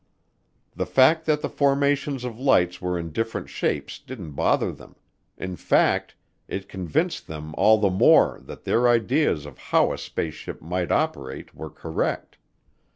The fact that the formations of lights were in different shapes didn't bother them; in fact, it convinced them all the more that their ideas of how a spaceship might operate were correct.